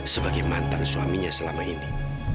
sebagai mantan suaminya selama ini